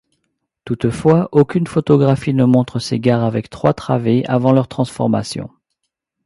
Toutefois, aucune photographie ne montre ces gares avec trois travées avant leur transformation.